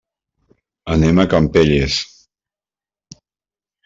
Anem a Campelles.